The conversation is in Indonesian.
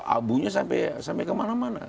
abunya sampai kemana mana